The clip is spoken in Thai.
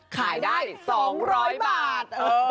ขายได้๒๐๐บาท